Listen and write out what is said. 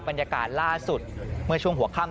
ปี๖๕วันเช่นเดียวกัน